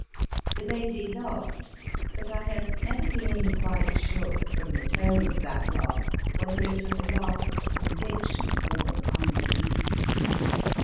The lady laughed, but I have never been quite sure, from the tone of that laugh, whether it was a laugh of conviction or of unbelief.